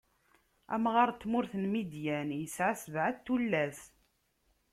Amɣaṛ n tmurt n Midyan isɛa sebɛa n tullas.